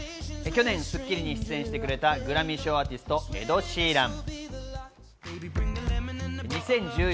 去年『スッキリ』に出演してくれたグラミー賞アーティストのエド・シーラン。